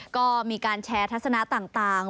ก็มีการแชร์ทัศนะต่าง